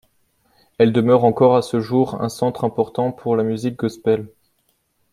Elle demeure encore à ce jour un centre important pour la musique gospel.